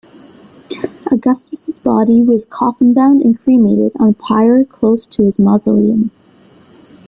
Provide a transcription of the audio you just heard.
Augustus' body was coffin-bound and cremated on a pyre close to his mausoleum.